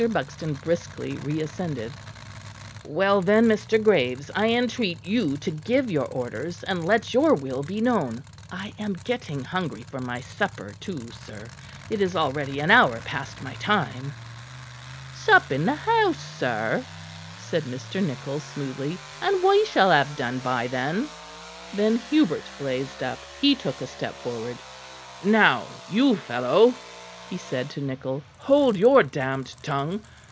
Buxton briskly reascended. "Well, then, Mr. Graves, I entreat you to give your orders, and let your will be known. I am getting hungry for my supper, too, sir. It is already an hour past my time." "Sup in the house, sir," said Mr. Nichol smoothly, "and we shall have done by then." Then Hubert blazed up; he took a step forward. "Now, you fellow," he said to Nichol, "hold your damned tongue.